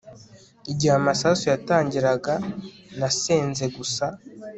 Igihe amasasu yatangiraga nasenze gusa